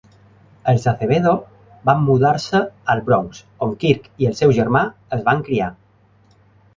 Els Acevedo van mudar-se al Bronx, on Kirk i el seu germà es van criar.